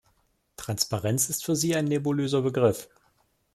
Transparenz ist für sie ein nebulöser Begriff.